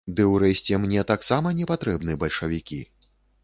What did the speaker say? Ды, урэшце, мне таксама не патрэбны бальшавікі.